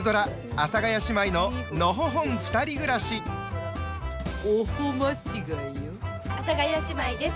阿佐ヶ谷姉妹です。